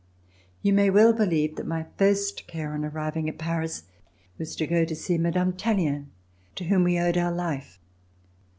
You may well believe that my first care on arriving at Paris was to go to see Mme. Tallien to whom we owed our life.